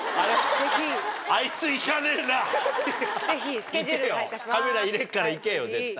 行けよカメラ入れるから行けよ絶対。